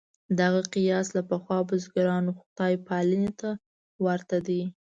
دغه قیاس له پخوا بزګرانو خدای پالنې ته ورته دی.